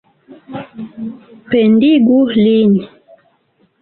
Pendigu lin!